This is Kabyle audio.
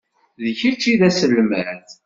D kečč i d aselmad.